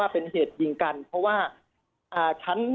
ตอนนี้ยังไม่ได้นะครับ